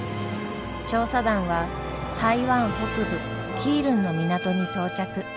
調査団は台湾北部基隆の港に到着。